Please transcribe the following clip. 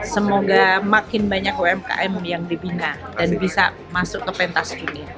semoga makin banyak umkm yang dibina dan bisa masuk ke pentas ini